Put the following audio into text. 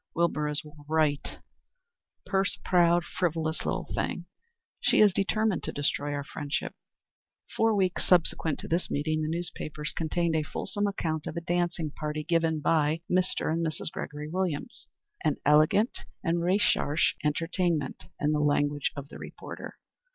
"Wilbur is right; purse proud, frivolous little thing! She is determined to destroy our friendship." Four weeks subsequent to this meeting the newspapers contained a fulsome account of a dancing party given by Mr. and Mrs. Gregory Williams "an elegant and recherché entertainment," in the language of the reporter.